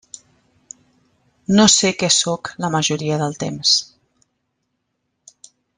No sé què sóc la majoria del temps.